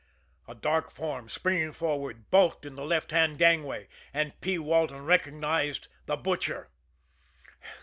A dark form, springing forward, bulked in the left hand gangway and P. Walton recognized the Butcher.